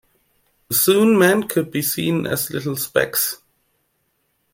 Soon men could be seen as little specks.